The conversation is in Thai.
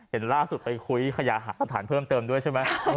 เห็นล่าสุดไปคุยขยาฐานเพิ่มเติมด้วยใช่ไหม